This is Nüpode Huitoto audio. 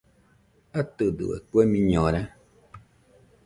¿Atɨdo kue miñora?